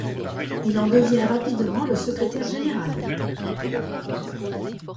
Il en devient rapidement le secrétaire général.